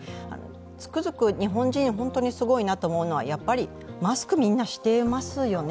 つくづく日本人、本当にすごいなと思うのはマスクみんなしてますよね。